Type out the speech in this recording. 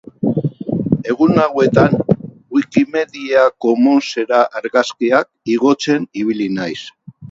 Egun hauetan Wikimedia Commonsera argazkiak igotzen ibili naiz.